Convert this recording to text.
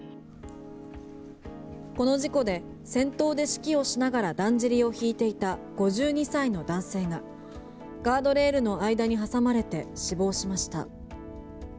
この事故で先頭で指揮をしながらだんじりをひいていた５２歳の男性がガードレールの間に挟まれて死亡しました。